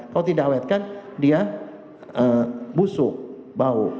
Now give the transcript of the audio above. kalau tidak awetkan dia busuk bau